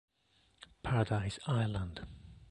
Paradise Island